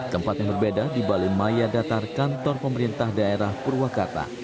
tempat yang berbeda di balai maya datar kantor pemerintah daerah purwakarta